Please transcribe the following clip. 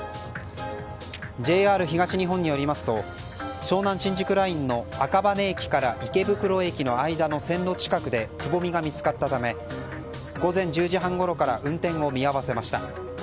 ＪＲ東日本によりますと湘南新宿ラインの赤羽駅から池袋駅の間の線路近くでくぼみが見つかったため午前１０時半ごろから運転を見合わせました。